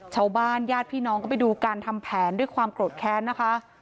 ญาติพี่น้องก็ไปดูการทำแผนด้วยความโกรธแค้นนะคะ